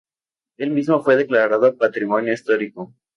El mismo fue declarado patrimonio histórico.